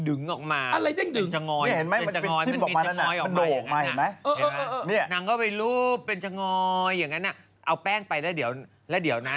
เอาแป้งไปคลุมตอนเกลือนิดเดียวแหงะ